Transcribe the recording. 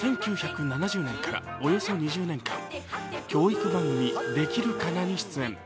のっぽさんは１９７０年からおよそ２０年間教育番組「できるかな」に出演。